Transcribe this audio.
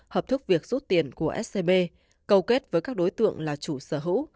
hợp thức việc rút tiền của scb cầu kết với các đối tượng là chủ sở hữu